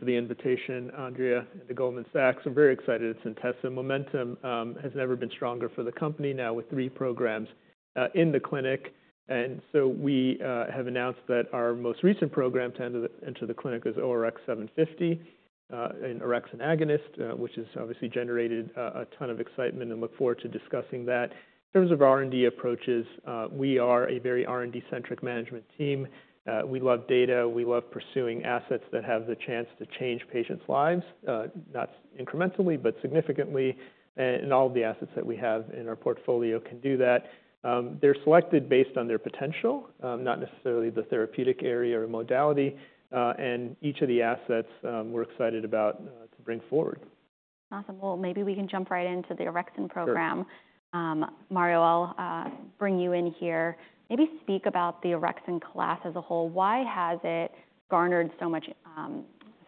Thanks for the invitation, Andrea, at Goldman Sachs. We're very excited at Centessa. Momentum has never been stronger for the company, now with three programs in the clinic. And so we have announced that our most recent program to enter the clinic is ORX-750, an orexin agonist, which has obviously generated a ton of excitement and look forward to discussing that. In terms of our R&D approaches, we are a very R&D-centric management team. We love data, we love pursuing assets that have the chance to change patients' lives, not incrementally, but significantly. And all of the assets that we have in our portfolio can do that. They're selected based on their potential, not necessarily the therapeutic area or modality, and each of the assets, we're excited about, to bring forward. Awesome. Well, maybe we can jump right into the Orexin program. Sure. Mario, I'll bring you in here. Maybe speak about the Orexin class as a whole. Why has it garnered so much,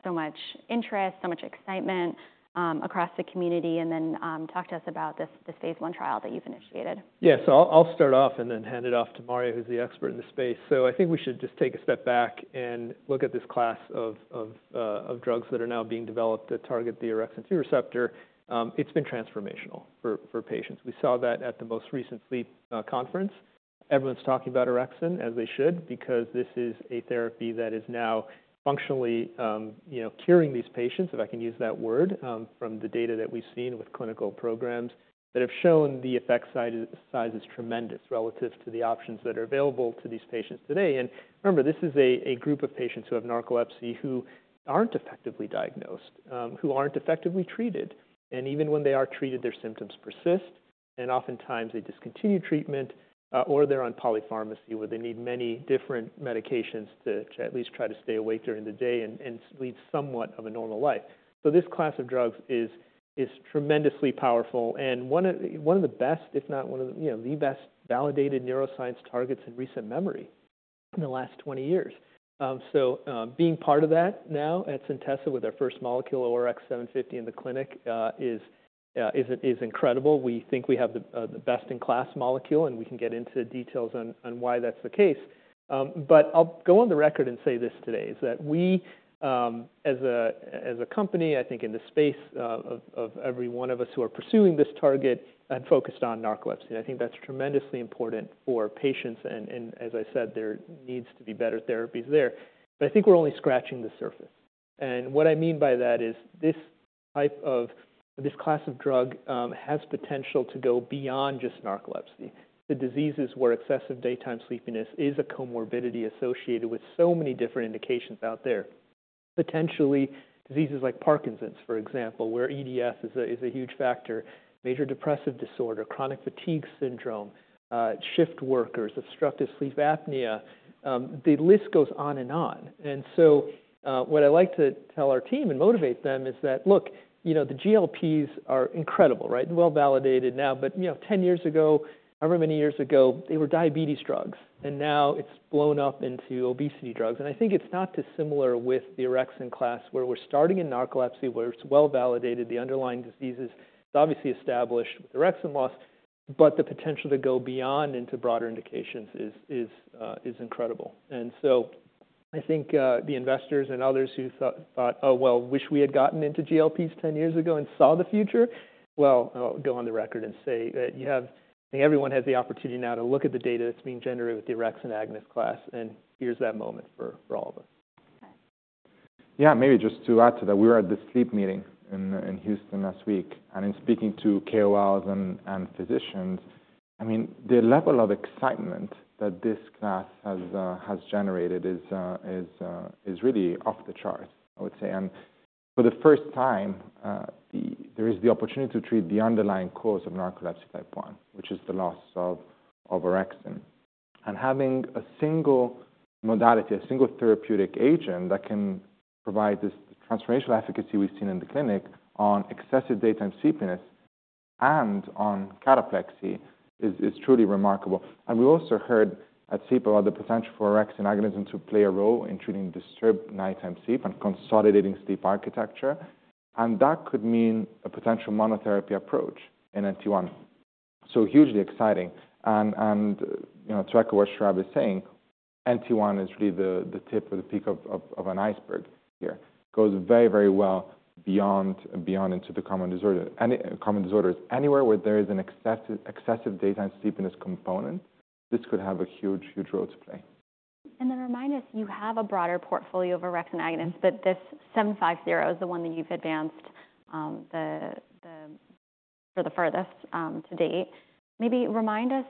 so much interest, so much excitement, across the community? And then, talk to us about this, the phase I trial that you've initiated. Yeah. So I'll start off and then hand it off to Mario, who's the expert in this space. So I think we should just take a step back and look at this class of drugs that are now being developed that target the Orexin 2 Receptor. It's been transformational for patients. We saw that at the most recent sleep conference. Everyone's talking about orexin, as they should, because this is a therapy that is now functionally, you know, curing these patients, if I can use that word, from the data that we've seen with clinical programs that have shown the effect size is tremendous relative to the options that are available to these patients today. And remember, this is a group of patients who have narcolepsy, who aren't effectively diagnosed, who aren't effectively treated. Even when they are treated, their symptoms persist, and oftentimes they discontinue treatment, or they're on polypharmacy, where they need many different medications to at least try to stay awake during the day and lead somewhat of a normal life. This class of drugs is tremendously powerful and one of the best, if not the best validated neuroscience targets in recent memory in the last 20 years. Being part of that now at Centessa with our first molecule, ORX-750 in the clinic, is incredible. We think we have the best-in-class molecule, and we can get into details on why that's the case. I'll go on the record and say this today, is that we, as a, as a company, I think in the space, of, of every one of us who are pursuing this target and focused on narcolepsy, and I think that's tremendously important for patients, and, and as I said, there needs to be better therapies there. But I think we're only scratching the surface. And what I mean by that is this type of this class of drug, has potential to go beyond just narcolepsy. The diseases where excessive daytime sleepiness is a comorbidity associated with so many different indications out there. Potentially, diseases like Parkinson's, for example, where EDS is a, is a huge factor, major depressive disorder, chronic fatigue syndrome, shift workers, obstructive sleep apnea. The list goes on and on. And so, what I like to tell our team and motivate them is that, look, you know, the GLPs are incredible, right? Well-validated now, but, you know, 10 years ago, however many years ago, they were diabetes drugs, and now it's blown up into obesity drugs. And I think it's not dissimilar with the Orexin class, where we're starting in narcolepsy, where it's well-validated. The underlying diseases, it's obviously established with Orexin loss, but the potential to go beyond into broader indications is incredible. And so I think, the investors and others who thought, "Oh, well, wish we had gotten into GLPs 10 years ago and saw the future," well, I'll go on the record and say that you have... I think everyone has the opportunity now to look at the data that's being generated with the orexin agonist class, and here's that moment for all of us. Okay. Yeah, maybe just to add to that, we were at the sleep meeting in Houston last week, and in speaking to KOLs and physicians, I mean, the level of excitement that this class has generated is really off the charts, I would say. For the first time, there is the opportunity to treat the underlying cause of narcolepsy Type 1, which is the loss of orexin. Having a single modality, a single therapeutic agent that can provide this transformational efficacy we've seen in the clinic on excessive daytime sleepiness and on cataplexy is truly remarkable. We also heard at Sleep about the potential for orexin agonism to play a role in treating disturbed nighttime sleep and consolidating sleep architecture, and that could mean a potential monotherapy approach in NT1. So hugely exciting. You know, to echo what Saurabh is saying, NT1 is really the tip of the peak of an iceberg here. It goes very, very well beyond into the common disorder. Any common disorders, anywhere where there is an excessive daytime sleepiness component, this could have a huge, huge role to play. And then remind us, you have a broader portfolio of orexin agonists, but this ORX-750 is the one that you've advanced for the furthest to date. Maybe remind us,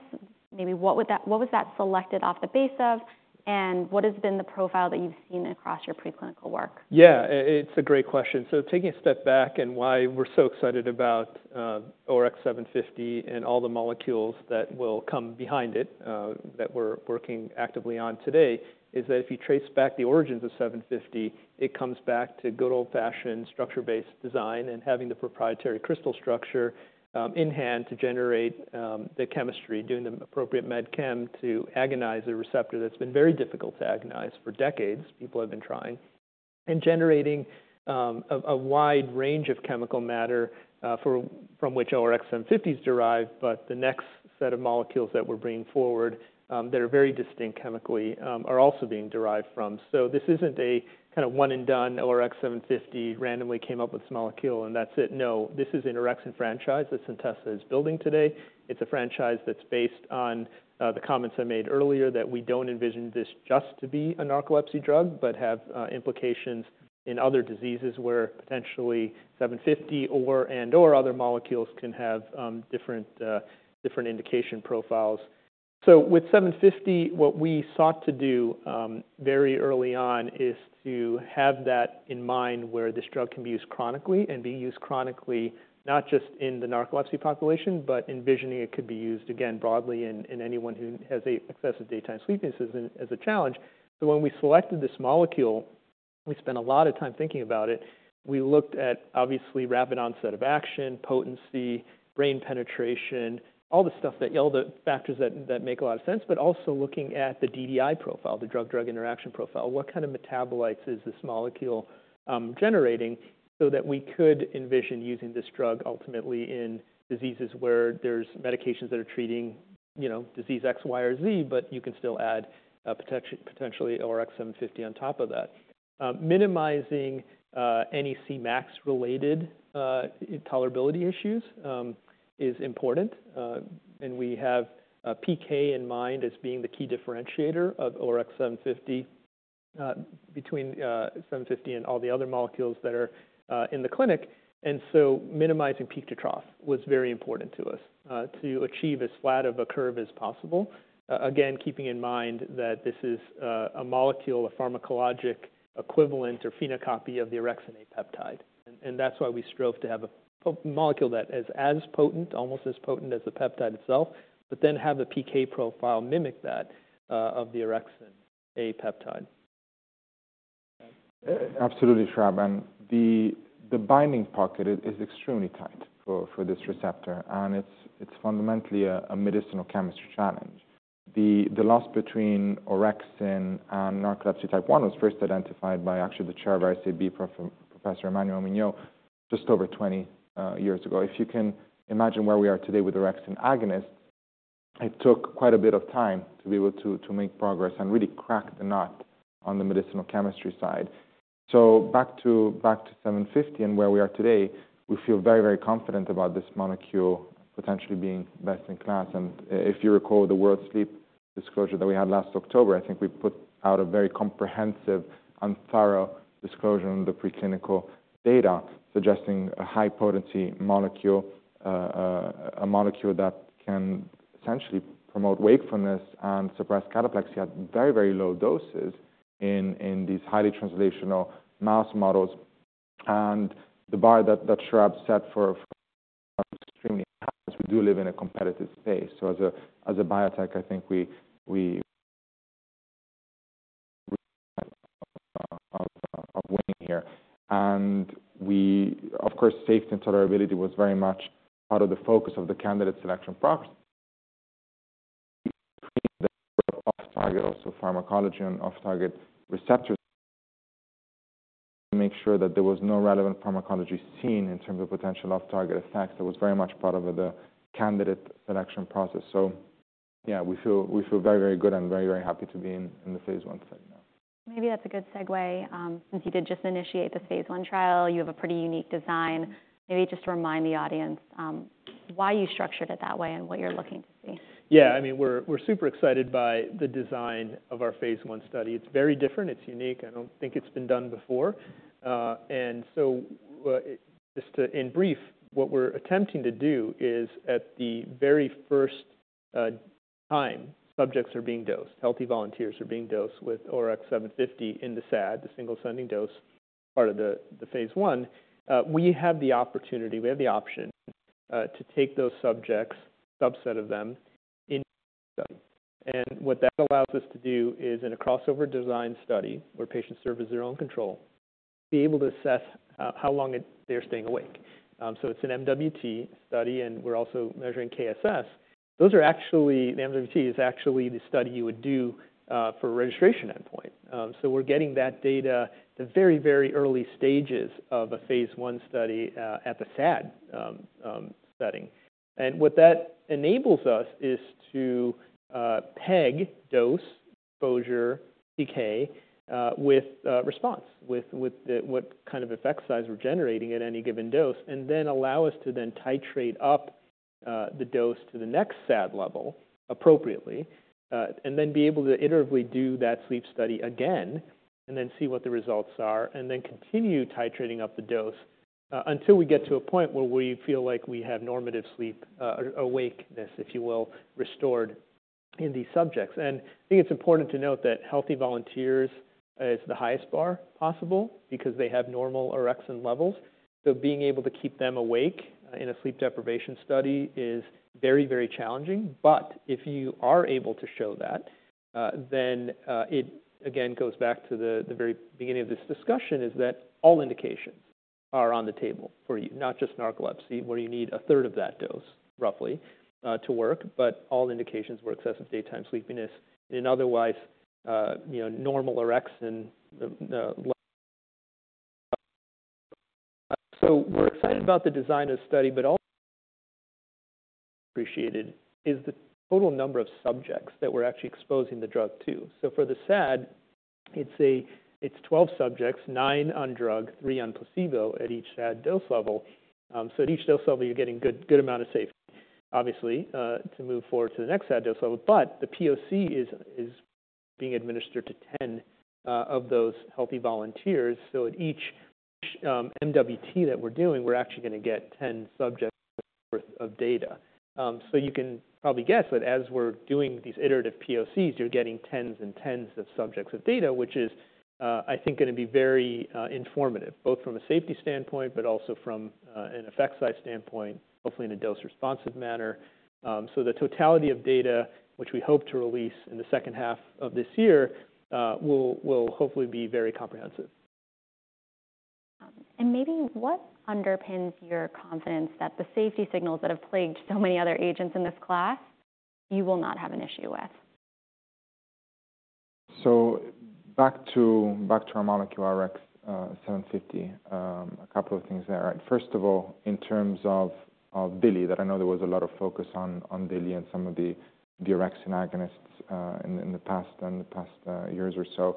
what was that selected based on, and what has been the profile that you've seen across your preclinical work? Yeah, it's a great question. So taking a step back and why we're so excited about ORX-750 and all the molecules that will come behind it that we're working actively on today, is that if you trace back the origins of 750, it comes back to good old-fashioned structure-based design and having the proprietary crystal structure in hand to generate the chemistry, doing the appropriate med chem to agonize a receptor. That's been very difficult to agonize for decades, people have been trying, and generating a wide range of chemical matter for from which ORX-750 is derived, but the next set of molecules that we're bringing forward that are very distinct chemically are also being derived from. So this isn't a kind of one and done ORX-750 randomly came up with this molecule, and that's it. No, this is an orexin franchise that Centessa is building today. It's a franchise that's based on, the comments I made earlier that we don't envision this just to be a narcolepsy drug, but have, implications in other diseases where potentially 750 or, and/or other molecules can have, different, different indication profiles. So with 750, what we sought to do, very early on is to have that in mind, where this drug can be used chronically and be used chronically, not just in the narcolepsy population, but envisioning it could be used again, broadly in, in anyone who has excessive daytime sleepiness as an, as a challenge. So when we selected this molecule, we spent a lot of time thinking about it. We looked at, obviously, rapid onset of action, potency, brain penetration, all the factors that make a lot of sense, but also looking at the DDI profile, the drug-drug interaction profile. What kind of metabolites is this molecule generating? So that we could envision using this drug ultimately in diseases where there's medications that are treating, you know, disease X, Y, or Z, but you can still add potentially ORX-750 on top of that. Minimizing any Cmax related tolerability issues is important, and we have PK in mind as being the key differentiator of ORX-750 between 750 and all the other molecules that are in the clinic. And so minimizing peak to trough was very important to us, to achieve as flat of a curve as possible. Again, keeping in mind that this is, a molecule, a pharmacologic equivalent or phenocopy of the Orexin-A peptide. And that's why we strove to have a molecule that is as potent, almost as potent as the peptide itself, but then have the PK profile mimic that, of the Orexin-A peptide. Absolutely, Saurabh, and the binding pocket is extremely tight for this receptor, and it's fundamentally a medicinal chemistry challenge. The loss between orexin and Narcolepsy Type 1 was first identified by actually the chair of SAB, Professor Emmanuel Mignot, just over 20 years ago. If you can imagine where we are today with orexin agonist, it took quite a bit of time to be able to make progress and really crack the nut on the medicinal chemistry side. So back to ORX-750 and where we are today, we feel very, very confident about this molecule potentially being best in class. And if you recall the World Sleep disclosure that we had last October, I think we put out a very comprehensive and thorough disclosure on the preclinical data, suggesting a high-potency molecule, a molecule that can essentially promote wakefulness and suppress cataplexy at very, very low doses in these highly translational mouse models. And the bar Saurabh set for extremely high, because we do live in a competitive space. So as a biotech, I think we of winning here. And of course, safety and tolerability was very much part of the focus of the candidate selection process. Off-target pharmacology and off-target receptors make sure that there was no relevant pharmacology seen in terms of potential off-target effects. That was very much part of the candidate selection process. Yeah, we feel, we feel very, very good and very, very happy to be in the phase I setting now. Maybe that's a good segue, since you did just initiate this phase I trial, you have a pretty unique design. Maybe just to remind the audience, why you structured it that way and what you're looking to see. Yeah, I mean, we're super excited by the design of our phase I study. It's very different. It's unique. I don't think it's been done before. And so, just in brief, what we're attempting to do is, at the very first time, subjects are being dosed, healthy volunteers are being dosed with ORX-750 in the SAD, the single ascending dose, part of the phase I. We have the opportunity, we have the option to take those subjects, subset of them, in. And what that allows us to do is in a crossover design study, where patients serve as their own control, be able to assess how long it... they're staying awake. So it's an MWT study, and we're also measuring KSS. Those are actually, the MWT is actually the study you would do for a registration endpoint. So we're getting that data at very, very early stages of a phase I study, at the SAD setting. And what that enables us is to peg dose exposure, PK, with response, with the—what kind of effect size we're generating at any given dose, and then allow us to then titrate up the dose to the next SAD level appropriately. And then be able to iteratively do that sleep study again, and then see what the results are, and then continue titrating up the dose, until we get to a point where we feel like we have normative sleep, awake-ness, if you will, restored in these subjects. And I think it's important to note that healthy volunteers is the highest bar possible because they have normal orexin levels. So being able to keep them awake in a sleep deprivation study is very, very challenging. But if you are able to show that, then it again goes back to the very beginning of this discussion, is that all indications are on the table for you, not just narcolepsy, where you need a third of that dose, roughly, to work, but all indications where excessive daytime sleepiness in otherwise you know normal orexin. So we're excited about the design of study, but also appreciated is the total number of subjects that we're actually exposing the drug to. So for the SAD, it's 12 subjects, nine on drug, three on placebo at each SAD dose level. So at each dose level, you're getting good, good amount of safety, obviously, to move forward to the next SAD dose level. But the POC is being administered to 10 of those healthy volunteers. So at each MWT that we're doing, we're actually going to get 10 subjects worth of data. So you can probably guess that as we're doing these iterative POCs, you're getting tens and tens of subjects of data, which is, I think, going to be very informative, both from a safety standpoint, but also from an effect size standpoint, hopefully in a dose-responsive manner. So the totality of data, which we hope to release in the second half of this year, will hopefully be very comprehensive. Maybe what underpins your confidence that the safety signals that have plagued so many other agents in this class, you will not have an issue with? So back to our molecule, ORX-750. A couple of things there, right? First of all, in terms of DILI, that I know there was a lot of focus on DILI and some of the orexin agonists in the past years or so.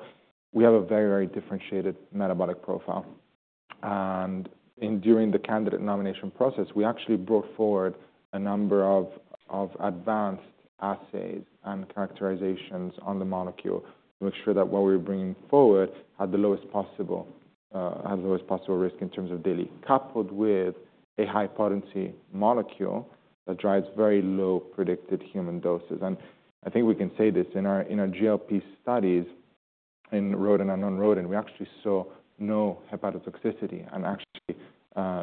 We have a very differentiated metabolic profile. And during the candidate nomination process, we actually brought forward a number of advanced assays and characterizations on the molecule to make sure that what we're bringing forward had the lowest possible risk in terms of DILI, coupled with a high potency molecule that drives very low predicted human doses. And I think we can say this, in our, in our GLP studies in rodent and non-rodent, we actually saw no hepatotoxicity and actually,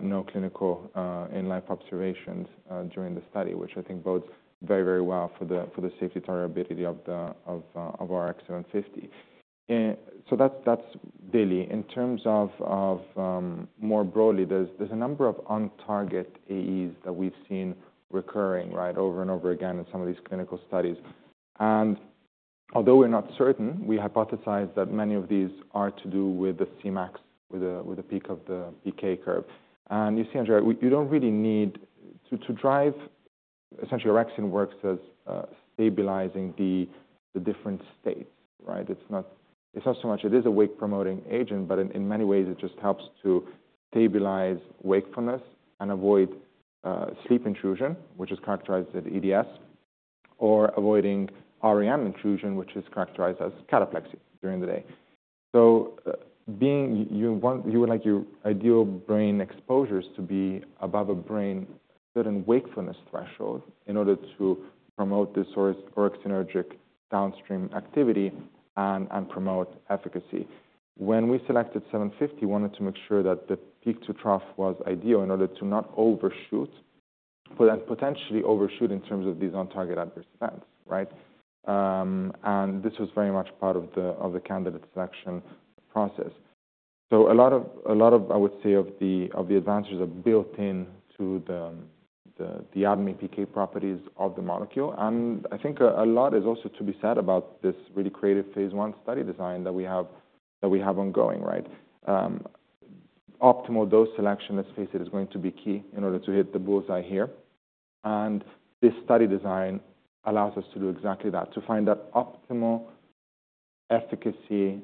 no clinical, in life observations, during the study, which I think bodes very, very well for the, for the safety tolerability of the, of, our ORX-750. And so that's, that's DILI. In terms of, of, more broadly, there's, there's a number of on-target AEs that we've seen recurring, right, over and over again in some of these clinical studies. And although we're not certain, we hypothesized that many of these are to do with the Cmax, with the, with the peak of the PK curve. And you see, Andrea, we—you don't really need to, to drive. Essentially, orexin works as, stabilizing the, the different states, right? It's not so much it is a wake-promoting agent, but in many ways it just helps to stabilize wakefulness and avoid sleep intrusion, which is characterized as EDS, or avoiding REM intrusion, which is characterized as cataplexy during the day. So, you want you would like your ideal brain exposures to be above a certain brain wakefulness threshold in order to promote this orexinergic downstream activity and promote efficacy. When we selected 750, we wanted to make sure that the peak to trough was ideal in order to not overshoot, potentially overshoot in terms of these on-target adverse events, right? And this was very much part of the candidate selection process. So a lot of, I would say, of the advantages are built into the ADME PK properties of the molecule. And I think a lot is also to be said about this really creative phase I study design that we have ongoing, right? Optimal dose selection, let's face it, is going to be key in order to hit the bullseye here. And this study design allows us to do exactly that, to find that optimal efficacy,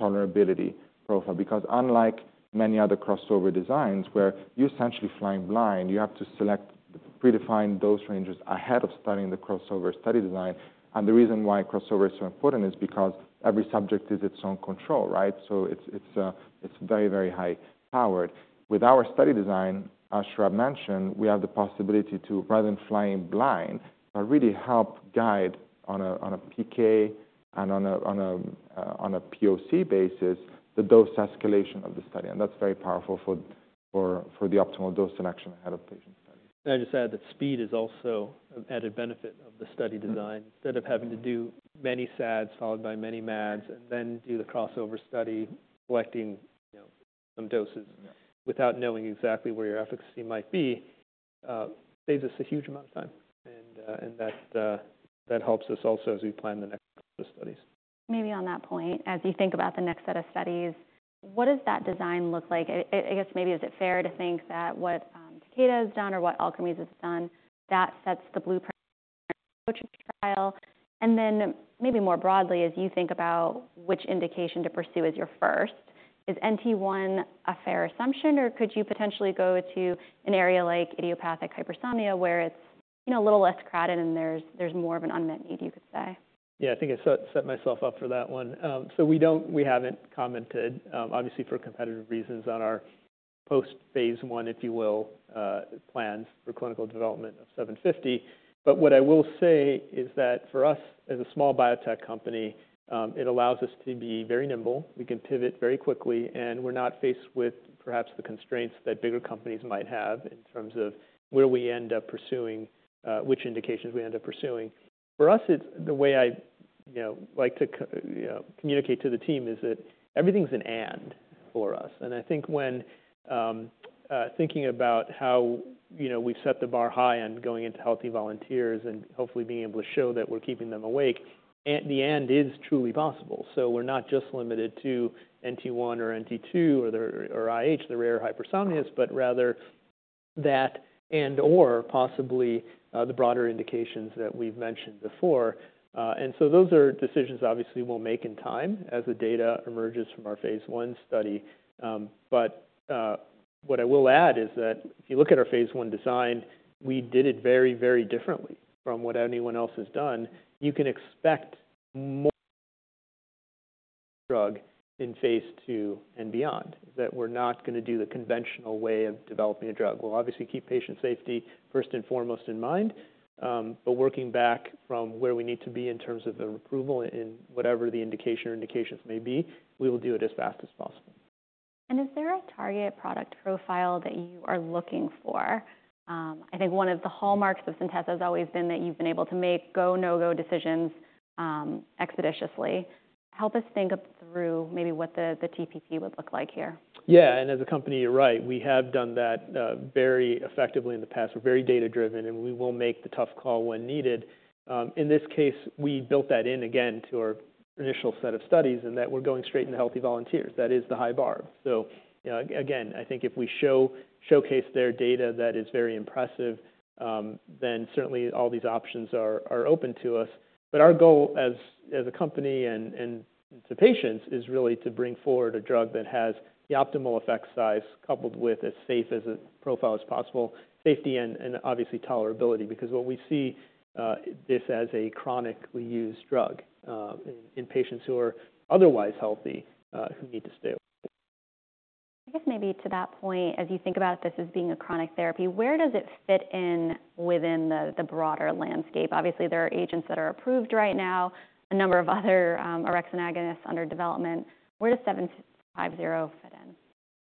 tolerability profile. Because unlike many other crossover designs, where you're essentially flying blind, you have to select predefined dose ranges ahead of starting the crossover study design. And the reason why crossover is so important is because every subject is its own control, right? So it's very high powered. With our study design, as Saurabh mentioned, we have the possibility to, rather than flying blind, but really help guide on a PK and on a POC basis, the dose escalation of the study. That's very powerful for the optimal dose selection ahead of patient studies. May I just add that speed is also an added benefit of the study design. Mm-hmm. Instead of having to do many SADS, followed by many MADS, and then do the crossover study, collecting, you know, some doses. Yeah - without knowing exactly where your efficacy might be, saves us a huge amount of time. And that helps us also as we plan the next set of studies. Maybe on that point, as you think about the next set of studies, what does that design look like? I guess maybe is it fair to think that what Takeda has done or what Alkermes has done, that sets the blueprint for the trial? And then maybe more broadly, as you think about which indication to pursue as your first, is NT1 a fair assumption, or could you potentially go to an area like idiopathic hypersomnia, where it's, you know, a little less crowded and there's more of an unmet need, you could say? Yeah, I think I set myself up for that one. So we haven't commented, obviously, for competitive reasons on our post phase I, if you will, plans for clinical development of seven fifty. But what I will say is that for us, as a small biotech company, it allows us to be very nimble. We can pivot very quickly, and we're not faced with perhaps the constraints that bigger companies might have in terms of where we end up pursuing, which indications we end up pursuing. For us, it's the way I, you know, like to communicate to the team is that everything's an and for us. I think when thinking about how, you know, we've set the bar high and going into healthy volunteers and hopefully being able to show that we're keeping them awake, and then it's truly possible. So we're not just limited to NT1 or NT2, or IH, the rare hypersomnias, but rather that and or possibly the broader indications that we've mentioned before. And so those are decisions obviously we'll make in time as the data emerges from our phase I study. But what I will add is that if you look at our phase I design, we did it very, very differently from what anyone else has done. You can expect more drug in phase II and beyond, that we're not gonna do the conventional way of developing a drug. We'll obviously keep patient safety first and foremost in mind, but working back from where we need to be in terms of the approval and whatever the indication or indications may be, we will do it as fast as possible. Is there a target product profile that you are looking for? I think one of the hallmarks of Centessa has always been that you've been able to make go/no-go decisions expeditiously. Help us think through maybe what the TPP would look like here. Yeah, and as a company, you're right, we have done that very effectively in the past. We're very data-driven, and we will make the tough call when needed. In this case, we built that in again to our initial set of studies, and that we're going straight into healthy volunteers. That is the high bar. So, you know, again, I think if we showcase their data, that is very impressive, then certainly all these options are open to us. But our goal as a company and to patients is really to bring forward a drug that has the optimal effect size, coupled with as safe a profile as possible, safety and obviously tolerability, because what we see this as a chronically used drug in patients who are otherwise healthy, who need to stay. I guess maybe to that point, as you think about this as being a chronic therapy, where does it fit in within the, the broader landscape? Obviously, there are agents that are approved right now, a number of other, orexin agonists under development. Where does 750 fit in?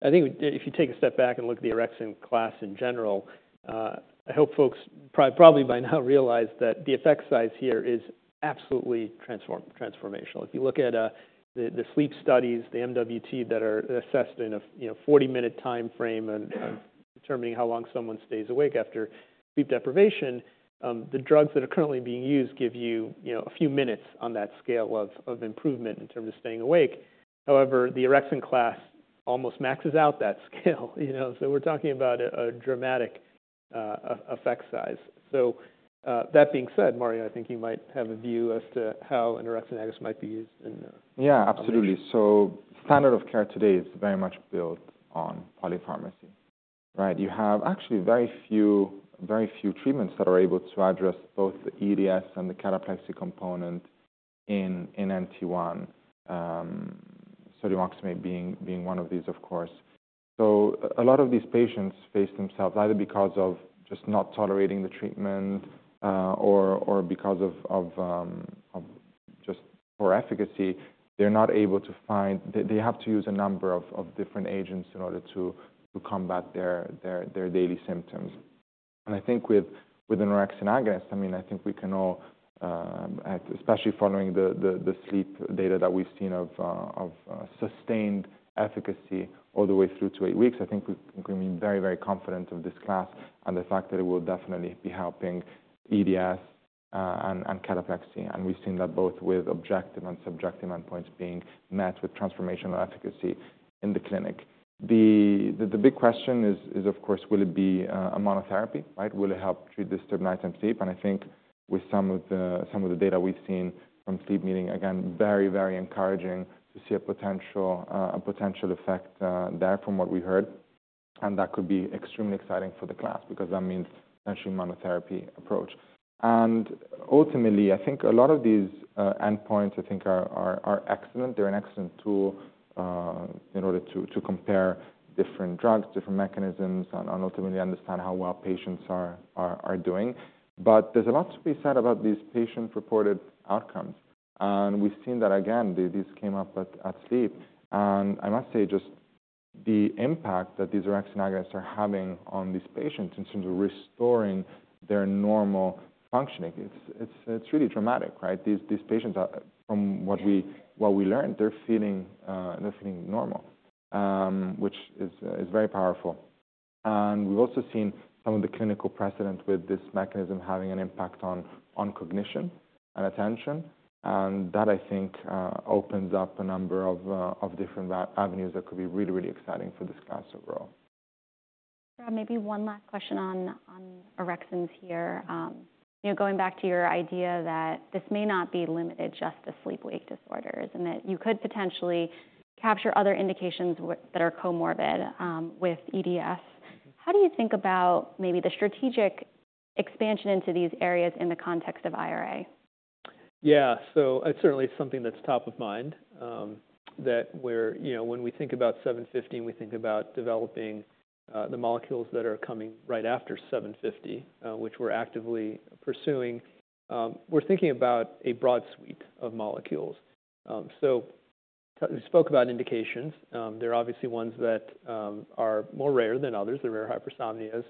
I think if you take a step back and look at the orexin class in general, I hope folks probably by now realize that the effect size here is absolutely transformational. If you look at the sleep studies, the MWT, that are assessed in a, you know, 40-minute time frame and determining how long someone stays awake after sleep deprivation, the drugs that are currently being used give you, you know, a few minutes on that scale of improvement in terms of staying awake. However, the orexin class almost maxes out that scale. You know, so we're talking about a dramatic effect size. So, that being said, Mario, I think you might have a view as to how an orexin agonist might be used in- Yeah, absolutely. So standard of care today is very much built on polypharmacy. Right. You have actually very few, very few treatments that are able to address both the EDS and the cataplexy component in in NT1, sodium oxybate being one of these, of course. So a lot of these patients find themselves either because of just not tolerating the treatment, or because of just poor efficacy. They're not able to find... They have to use a number of different agents in order to combat their daily symptoms. And I think with an orexin agonist, I mean, I think we can all, especially following the sleep data that we've seen of sustained efficacy all the way through to eight weeks. I think we can be very, very confident of this class and the fact that it will definitely be helping EDS, and cataplexy. And we've seen that both with objective and subjective endpoints being met with transformational efficacy in the clinic. The big question is, of course, will it be a monotherapy? Right. Will it help treat disturbed nighttime sleep? And I think with some of the data we've seen from sleep meeting, again, very, very encouraging to see a potential effect there from what we heard. And that could be extremely exciting for the class because that means potentially monotherapy approach. And ultimately, I think a lot of these endpoints I think are excellent. They're an excellent tool in order to compare different drugs, different mechanisms, and ultimately understand how well patients are doing. But there's a lot to be said about these patient-reported outcomes, and we've seen that again, this came up at sleep. And I must say, just the impact that these orexin agonists are having on these patients in terms of restoring their normal functioning, it's really dramatic, right? These patients are, from what we learned, they're feeling normal, which is very powerful. And we've also seen some of the clinical precedent with this mechanism having an impact on cognition and attention, and that, I think, of different avenues that could be really exciting for this class overall. Maybe one last question on, on orexins here. You know, going back to your idea that this may not be limited just to sleep-wake disorders, and that you could potentially capture other indications that are comorbid with EDS. How do you think about maybe the strategic expansion into these areas in the context of IRA? Yeah, so it's certainly something that's top of mind, that we're... You know, when we think about 750, we think about developing the molecules that are coming right after 750, which we're actively pursuing. We're thinking about a broad suite of molecules. So we spoke about indications. There are obviously ones that are more rare than others, the rare hypersomnias,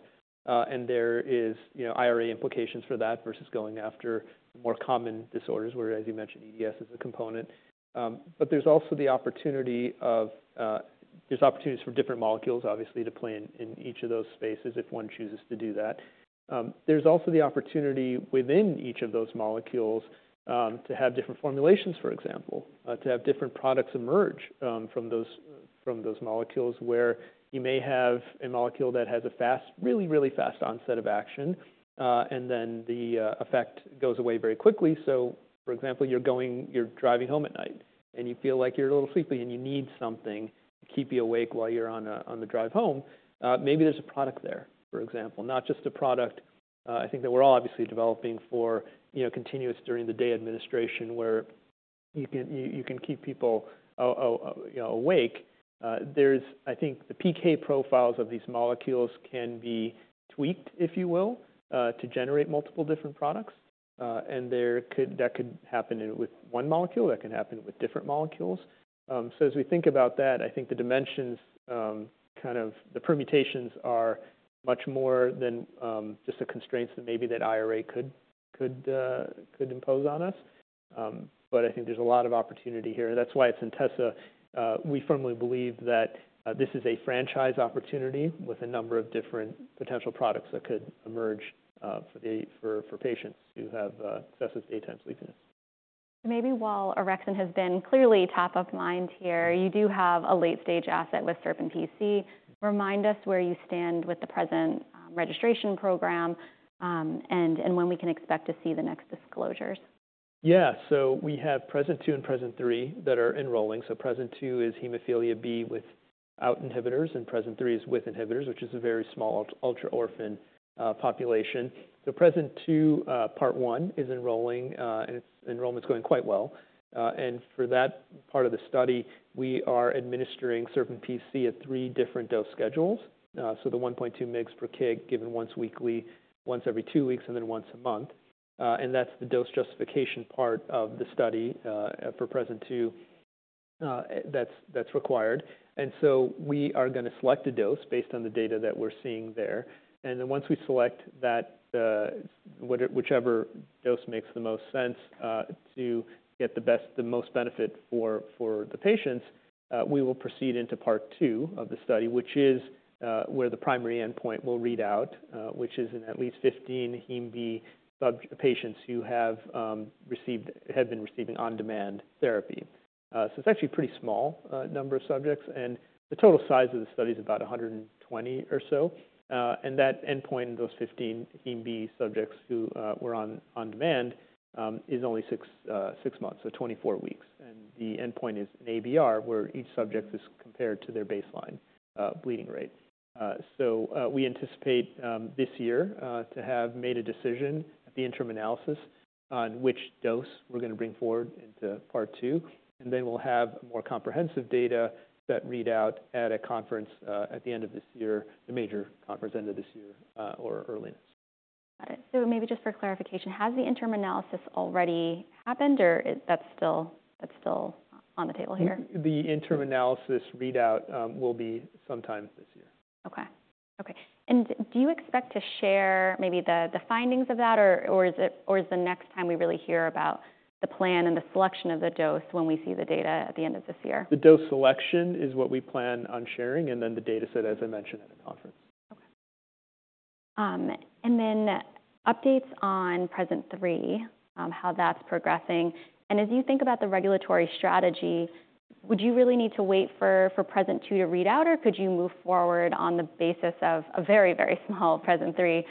and there is, you know, IRA implications for that versus going after more common disorders, where, as you mentioned, EDS is a component. But there's also the opportunity of-- there's opportunities for different molecules, obviously, to play in each of those spaces if one chooses to do that. There's also the opportunity within each of those molecules, to have different formulations for example, to have different products emerge, from those-... from those molecules, where you may have a molecule that has a fast, really, really fast onset of action, and then the effect goes away very quickly. So, for example, you're driving home at night, and you feel like you're a little sleepy, and you need something to keep you awake while you're on the drive home. Maybe there's a product there, for example, not just a product, I think that we're all obviously developing for, you know, continuous during the day administration, where you can keep people, you know, awake. There's, I think the PK profiles of these molecules can be tweaked, if you will, to generate multiple different products. And there could, that could happen with one molecule, that can happen with different molecules. So as we think about that, I think the dimensions, kind of the permutations are much more than just the constraints that maybe that IRA could impose on us. But I think there's a lot of opportunity here. That's why at Centessa, we firmly believe that this is a franchise opportunity with a number of different potential products that could emerge for patients who have excessive daytime sleepiness. Maybe while Orexin has been clearly top of mind here, you do have a late-stage asset with SerpinPC. Remind us where you stand with the SerpinPC registration program, and when we can expect to see the next disclosures? Yeah. So we have PRESent-2 and PRESent-3 that are enrolling. PRESent-2 is hemophilia B without inhibitors, and PRESent-3 is with inhibitors, which is a very small ultra-orphan population. PRESent-2 part one is enrolling, and its enrollment's going quite well. And for that part of the study, we are administering SerpinPC at three different dose schedules. So the 1.2 mg per kg given once weekly, once every two weeks, and then once a month. And that's the dose justification part of the study for PRESent-2. That's required. And so we are gonna select a dose based on the data that we're seeing there. And then once we select that, whichever dose makes the most sense, to get the best, the most benefit for, for the patients, we will proceed into part two of the study, which is, where the primary endpoint will read out, which is in at least 15 hem B patients who have, received, have been receiving on-demand therapy. So it's actually a pretty small, number of subjects, and the total size of the study is about 120 or so. And that endpoint in those 15 hem B subjects who, were on, on demand, is only 6 months, so 24 weeks. And the endpoint is an ABR, where each subject is compared to their baseline, bleeding rate. So, we anticipate this year to have made a decision at the interim analysis on which dose we're gonna bring forward into part two, and then we'll have more comprehensive data that read out at a conference at the end of this year, the major conference end of this year, or early next. All right. So maybe just for clarification, has the interim analysis already happened, or is that still on the table here? The interim analysis readout will be sometime this year. Okay. Okay, and do you expect to share maybe the findings of that, or is the next time we really hear about the plan and the selection of the dose when we see the data at the end of this year? The dose selection is what we plan on sharing, and then the data set, as I mentioned, at a conference. Updates on phase III, how that's progressing. As you think about the regulatory strategy, would you really need to wait for phase II to read out, or could you move forward on the basis of a very, very small phase III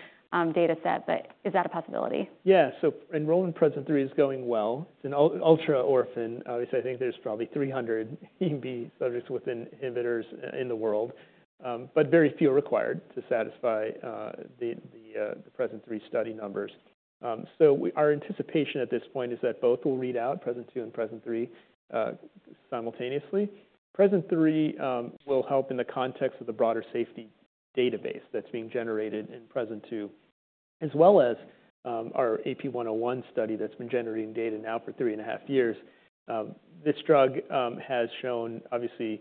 data set, but is that a possibility? Yeah. So enrolling Phase 3 is going well. It's an ultra-orphan. Obviously, I think there's probably 300 hem B subjects with inhibitors in the world, but very few are required to satisfy the Phase 3 study numbers. So our anticipation at this point is that both will read out, Phase 2 and Phase 3, simultaneously. Phase 3 will help in the context of the broader safety database that's being generated in Phase 2, as well as our AP-0101 study that's been generating data now for 3.5 years. This drug has shown obviously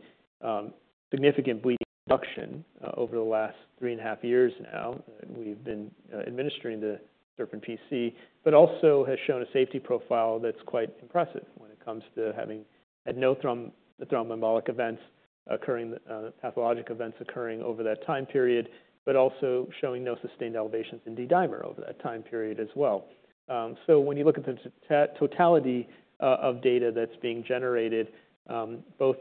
significant bleeding reduction over the last 3.5 years now that we've been administering the SerpinPC, but also has shown a safety profile that's quite impressive when it comes to having had no thromboembolic events occurring, pathologic events occurring over that time period, but also showing no sustained elevations in D-dimer over that time period as well. So when you look at the totality of data that's being generated, both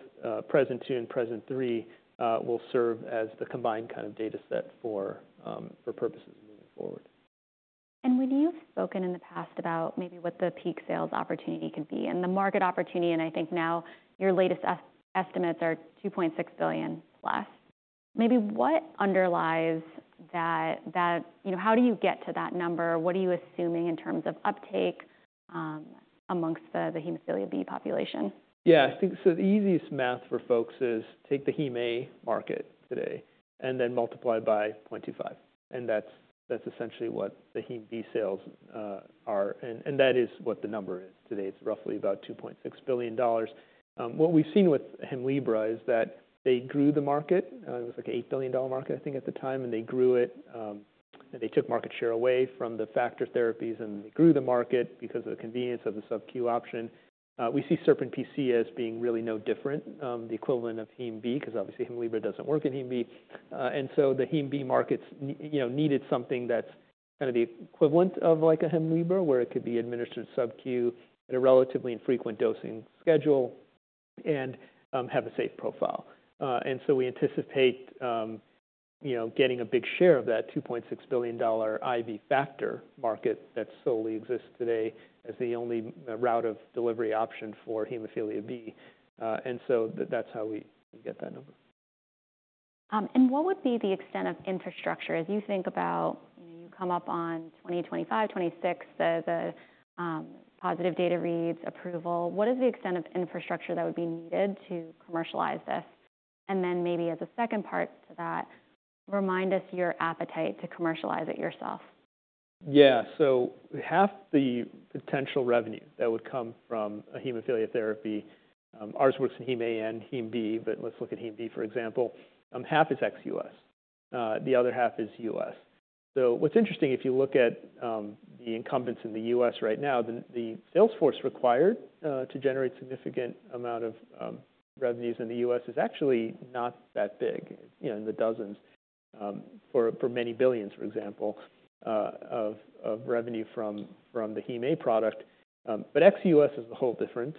Phase 2 and Phase 3 will serve as the combined kind of data set for purposes moving forward. And when you've spoken in the past about maybe what the peak sales opportunity could be and the market opportunity, and I think now your latest estimates are $2.6 billion+. Maybe what underlies that. You know, how do you get to that number? What are you assuming in terms of uptake, among the hemophilia B population? Yeah. I think, so the easiest math for folks is take the hem A market today and then multiply by 0.25, and that's, that's essentially what the hem B sales are, and, and that is what the number is. Today, it's roughly about $2.6 billion. What we've seen with Hemlibra is that they grew the market. It was like an $8 billion market, I think, at the time, and they grew it, and they took market share away from the factor therapies, and they grew the market because of the convenience of the subQ option. We see SerpinPC as being really no different, the equivalent of hem B, because obviously, Hemlibra doesn't work in hem B. And so the hem B market, you know, needed something that's-... kind of the equivalent of like a Hemlibra, where it could be administered subQ at a relatively infrequent dosing schedule and, have a safe profile. And so we anticipate, you know, getting a big share of that $2.6 billion IV factor market that solely exists today as the only route of delivery option for hemophilia B. And so that's how we get that number. And what would be the extent of infrastructure as you think about, you know, you come up on 2025, 2026, positive data reads, approval. What is the extent of infrastructure that would be needed to commercialize this? And then maybe as a second part to that, remind us your appetite to commercialize it yourself. Yeah. So half the potential revenue that would come from a hemophilia therapy, ours works in hem A and hem B, but let's look at hem B, for example. Half is ex U.S., the other half is U.S. So what's interesting, if you look at the incumbents in the U.S. right now, the sales force required to generate significant amount of revenues in the U.S. is actually not that big, you know, in the dozens for many billions, for example, of revenue from the hem A product. But ex U.S., is a whole different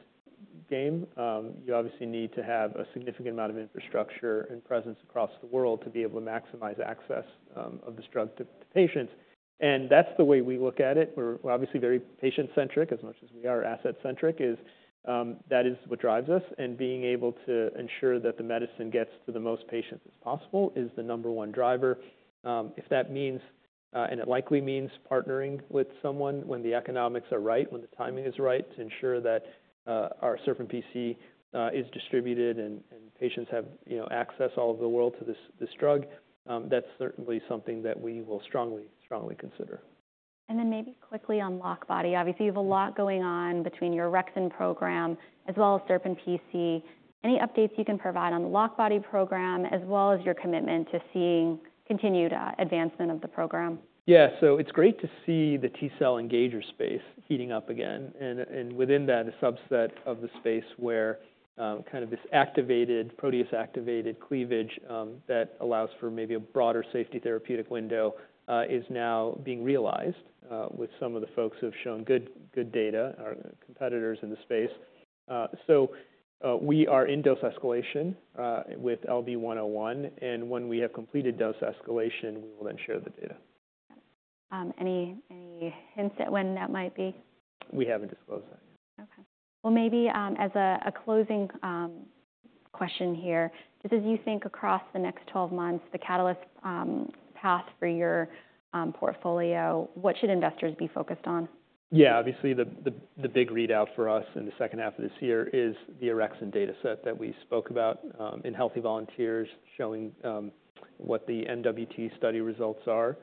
game. You obviously need to have a significant amount of infrastructure and presence across the world to be able to maximize access of this drug to patients. And that's the way we look at it. We're obviously very patient-centric, as much as we are asset-centric, is, that is what drives us. And being able to ensure that the medicine gets to the most patients as possible is the number one driver. If that means, and it likely means partnering with someone when the economics are right, when the timing is right, to ensure that, our SerpinPC is distributed and patients have, you know, access all over the world to this, this drug, that's certainly something that we will strongly, strongly consider. And then maybe quickly on LockBody. Obviously, you have a lot going on between your orexin program as well as SerpinPC. Any updates you can provide on the LockBody program, as well as your commitment to seeing continued advancement of the program? Yeah. So it's great to see the T-cell engager space heating up again, and within that, a subset of the space where kind of this activated, proteasome-activated cleavage that allows for maybe a broader safety therapeutic window is now being realized with some of the folks who have shown good data, our competitors in the space. So we are in dose escalation with LB101, and when we have completed dose escalation, we will then share the data. Any hints at when that might be? We haven't disclosed that yet. Okay. Well, maybe, as a closing question here, just as you think across the next 12 months, the catalyst path for your portfolio, what should investors be focused on? Yeah, obviously, the big readout for us in the second half of this year is the Orexin data set that we spoke about, in healthy volunteers, showing what the MWT study results are,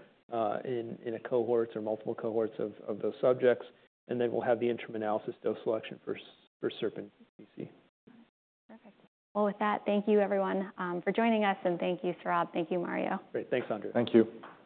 in a cohorts or multiple cohorts of those subjects. And then we'll have the interim analysis dose selection for SerpinPC. Perfect. Well, with that, thank you everyone, for joining us, and thank you, Saurabh. Thank you, Mario. Great. Thanks, Andrea. Thank you.